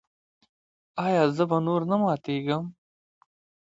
ایا زه به نور نه ماتیږم؟